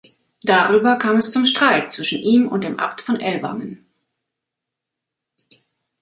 Darüber kam es zum Streit zwischen ihm und dem Abt von Ellwangen.